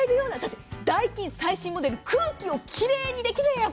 ダイキン最新モデル、空気をきれいにできます。